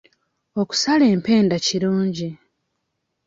Okusala empenda kirungi.